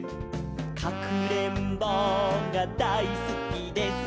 「かくれんぼうがだいすきです」